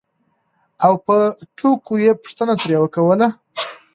او په ټوکو یې پوښتنه ترې کوله